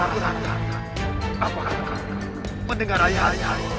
apakah kalian mendengar ayah anda